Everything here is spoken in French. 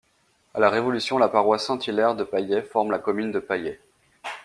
À la Révolution, la paroisse Saint-Hilaire de Paillet forme la commune de Paillet.